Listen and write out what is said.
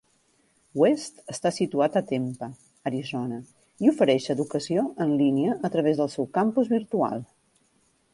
West està situat a Tempe, Arizona, i ofereix educació en línia a través del seu campus virtual.